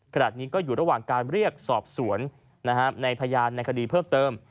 ขณะนี้ก็อยู่ระหว่างการเรียกสอบสวนในพยานในคดีเพิ่มเติม